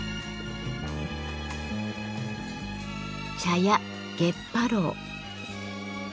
茶屋月波楼。